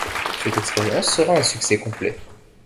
Cette expérience sera un succès complet.